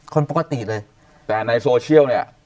คนปกติเลยแต่ในโซเชียลเนี่ย